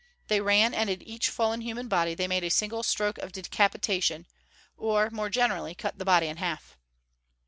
They ran, and at each fallen human body they made a single stroke of decapitation, or, more generally, cut the body in half.